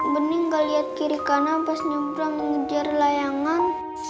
bening gak liat kiri kanan pas nyebrang mengejar layangan